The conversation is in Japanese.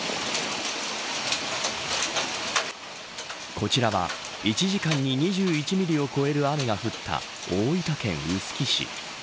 こちらは１時間に２１ミリを超える雨が降った大分県臼杵市。